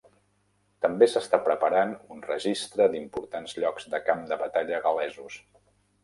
També s'està preparant un registre d'importants llocs de camp de batalla gal·lesos.